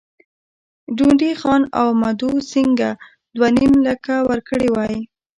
ډونډي خان او مدو سینګه دوه نیم لکه ورکړي وای.